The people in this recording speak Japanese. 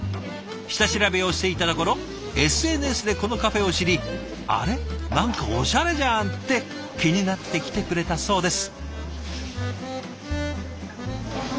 下調べをしていたところＳＮＳでこのカフェを知り「あれ？何かおしゃれじゃん！」って気になって来てくれたそうです。